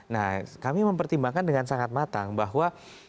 nah kami mempertimbangkan dengan sangat matang bahwa